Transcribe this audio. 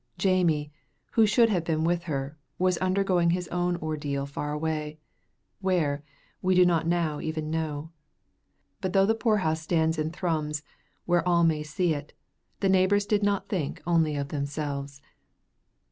Jamie, who should have been with her, was undergoing his own ordeal far away; where, we did not now even know. But though the poorhouse stands in Thrums, where all may see it, the neighbors did not think only of themselves.